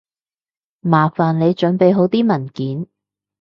麻煩你準備好啲文件